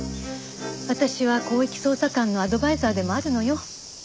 私は広域捜査官のアドバイザーでもあるのよ。